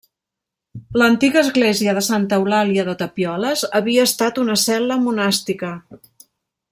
L'antiga església de Santa Eulàlia de Tapioles havia estat una cel·la monàstica.